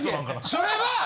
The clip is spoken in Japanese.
それは！